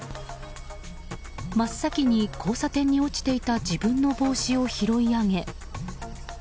真っ先に交差点に落ちていた自分の帽子を拾い上げ